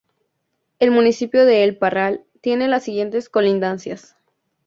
El municipio de El Parral tiene las siguientes colindancias.